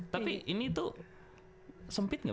tapi ini tuh sempit gak